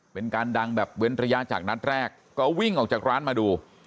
เป็นการดังแบบเว้นระยะจากนัดแรกก็วิ่งออกจากร้านมาดู